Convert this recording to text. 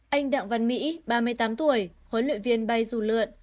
anh đặng văn mỹ ba mươi tám tuổi huấn luyện viên bay dù lượn